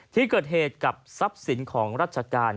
ที่เกิดเหตุกับทรัพย์สินของราชการ